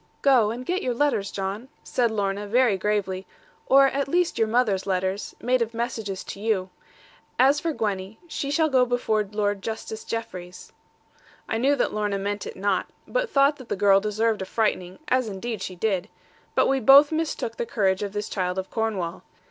'Go, and get your letters, John,' said Lorna very gravely; 'or at least your mother's letters, made of messages to you. As for Gwenny, she shall go before Lord Justice Jeffreys.' I knew that Lorna meant it not; but thought that the girl deserved a frightening; as indeed she did. But we both mistook the courage of this child of Cornwall.